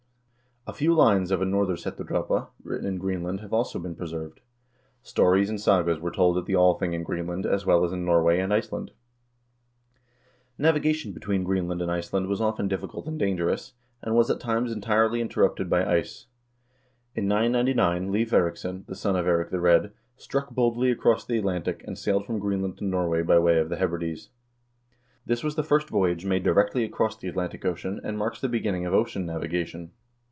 A few lines of a "Nororsetudrapa" written in Greenland have also been preserved. Stories and sagas were told at the Althing in Greenland as well as in Norway and Iceland. Navigation between Greenland and Iceland was often difficult and dangerous, and was at times entirely interrupted by ice. In 999 Leiv Eiriksson, the son of Eirik the Red, struck boldly across the Atlantic, and sailed from Greenland to Norway by way of the Hebrides. This was the first voyage made directly across the Atlantic Ocean, and marks the beginning of ocean navigation.